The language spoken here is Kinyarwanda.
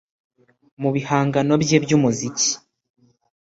Mu bihangano bye by’umuziki